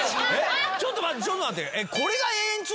ちょっと待ってちょっと待って。